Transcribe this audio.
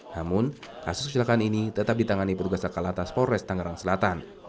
namun kasus kecelakaan ini tetap ditangani perugasa kalatas polres tangerang selatan